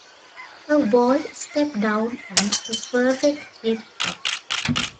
A whole step down and a perfect fifth up.